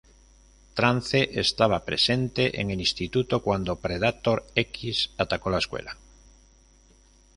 Trance estaba presente en el Instituto cuando Predator X atacó la escuela.